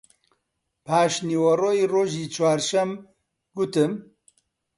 پاش نیوەڕۆی ڕۆژی چوارەم گوتم: